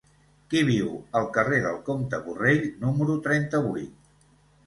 Qui viu al carrer del Comte Borrell número trenta-vuit?